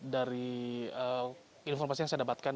dari informasi yang saya dapatkan